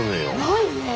ないね！